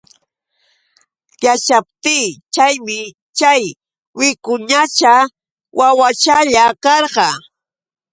Yaćhaptiy chaymi chay wicuñacha wawachalla karqa.